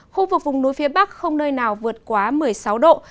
khu vực vùng núi phía bắc không nơi nào vượt quá một mươi sáu độ